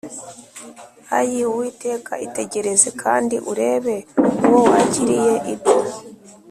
“Ayii Uwiteka, Itegereze kandi urebe uwo wagiriye ibyo!